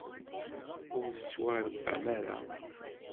Ur tettwaṛebbam ara.